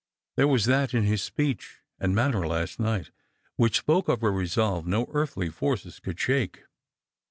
There was that in his speech and manner last night which spoke of a resolve no earthly forces could shake.